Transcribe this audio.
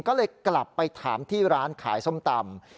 ก็เลยกลับไปถามที่ร้านขายส้มตำ